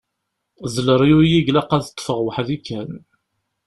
D leryuy i ilaq ad ṭṭfeɣ weḥd-i kan.